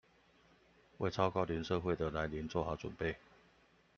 為超高齡社會的來臨做好準備